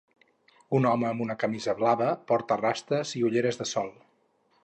Un home amb una camisa blava porta rastes i ulleres de sol.